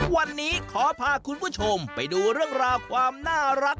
วันนี้ขอพาคุณผู้ชมไปดูเรื่องราวความน่ารัก